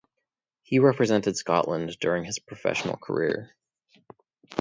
He represented Scotland during his professional career.